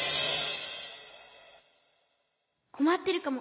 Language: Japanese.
こまってるかも。